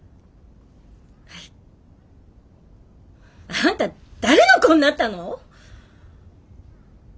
あんた誰の子になったの！？